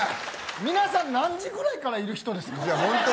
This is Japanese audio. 皆さん何時ぐらいからいる人ですか。